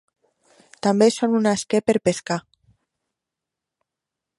També són un esquer per a pescar.